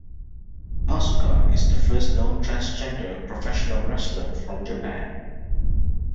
Asuka is the first known transgender professional wrestler from Japan.